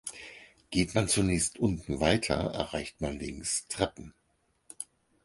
Geht man zunächst unten weiter erreicht man links Treppen.